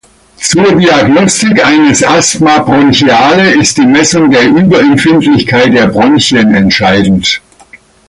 Zur Diagnostik eines Asthma bronchiale ist die Messung der Überempfindlichkeit der Bronchien entscheidend.